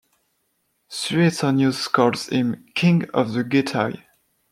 Suetonius calls him king of the Getae.